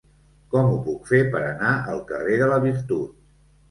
Com ho puc fer per anar al carrer de la Virtut?